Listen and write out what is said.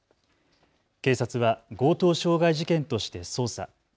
警察は強盗傷害事件として捜査。